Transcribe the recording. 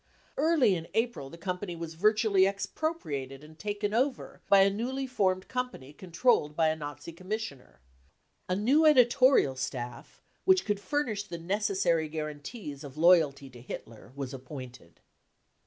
Early in April the company was virtually expropriated and taken over by a newly formed company controlled by a Nazi Commissioner ; a new editorial .staff .. which could furnish the necessary guarantees of loyalty to Hitler was appointed.